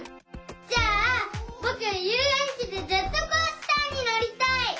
じゃあぼくゆうえんちでジェットコースターにのりたい！